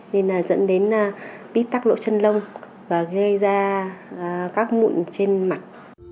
nên dẫn đến bít tắc lỗ chân lông và gây ra các mụn trên mặt